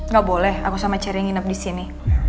gak boleh aku sama ceri nginep disini